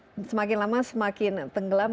kalau kita kan semakin lama semakin tenggelam